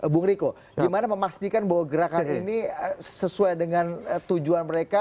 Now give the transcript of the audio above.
bung riko gimana memastikan bahwa gerakan ini sesuai dengan tujuan mereka